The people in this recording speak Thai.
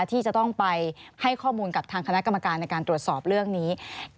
ที่จะต้องไปให้ข้อมูลกับทางคณะกรรมการในการตรวจสอบเรื่องนี้